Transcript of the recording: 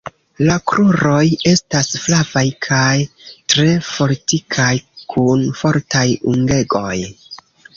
La kruroj estas flavaj kaj tre fortikaj kun fortaj ungegoj.